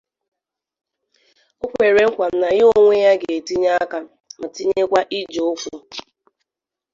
O kwere nkwà na ya onwe ya ga-entinye aka ma tinyekwa ijè ụkwụ